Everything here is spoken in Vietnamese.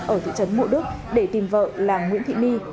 ở thị trấn mộ đức để tìm vợ là nguyễn thị my